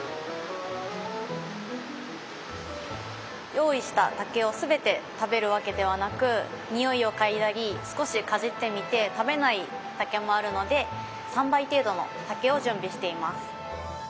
用意した竹を全て食べるわけではなく匂いを嗅いだり少しかじってみて食べない竹もあるので３倍程度の竹を準備しています。